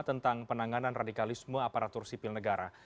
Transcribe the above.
tentang penanganan radikalisme aparatur sipil negara